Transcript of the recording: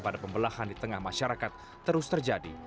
pada pembelahan di tengah masyarakat terus terjadi